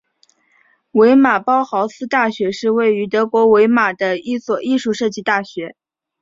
魏玛包豪斯大学是位于德国魏玛的一所艺术设计大学。